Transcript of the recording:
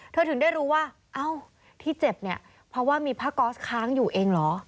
เธอถึงได้รู้ว่าที่เจ็บเพราะว่ามีผ้าก๊อสค้างอยู่เองเหรอ